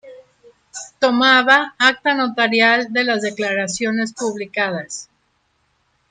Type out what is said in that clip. tomaba acta notarial de las declaraciones publicadas